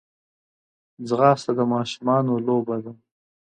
ځغاسته د ماشومانو لوبه ده